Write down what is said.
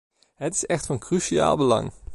Het is echt van cruciaal belang.